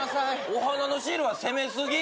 お花のシールは攻め過ぎ。